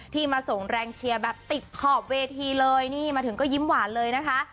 มาส่งแรงเชียร์แบบติดขอบเวทีเลยนี่มาถึงก็ยิ้มหวานเลยนะคะ